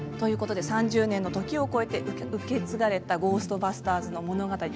３０年の時を超えて受け継がれた「ゴーストバスターズ」の物語